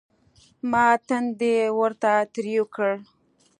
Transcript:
ما تندى ورته تريو کړ.